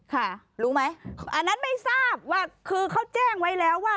ค่ะรู้ไหมอันนั้นไม่ทราบว่าคือเขาแจ้งไว้แล้วว่า